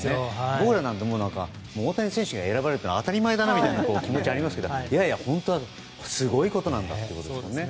僕らは大谷選手が選ばれるのは当たり前だなという気持ちがありますけど本当はすごいことなんだということですよね。